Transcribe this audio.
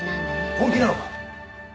本気なのか！？